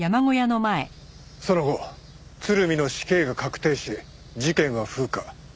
その後鶴見の死刑が確定し事件は風化。